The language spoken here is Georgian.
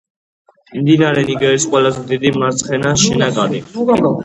მდინარე ნიგერის ყველაზე დიდი მარცხენა შენაკადი.